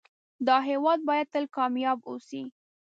دا هيواد بايد تل کامیاب اوسی